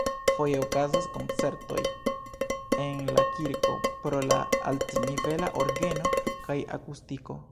Foje okazas koncertoj en la kirko pro la altnivela orgeno kaj akustiko.